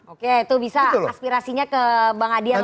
oke itu bisa aspirasinya ke bang adia langsung